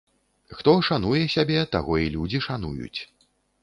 Хто шануе сябе, таго і людзі шануюць